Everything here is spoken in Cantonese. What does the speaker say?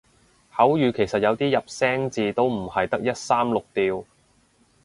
口語其實有啲入聲字都唔係得一三六調